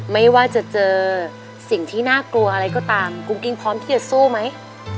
ไม่ว่าจะเจอสิ่งที่น่ากลัวอะไรก็ตามกุ้งอิงพร้อมที่จะสู้ไหม